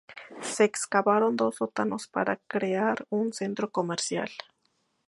Se excavaron dos sótanos para crear un centro comercial.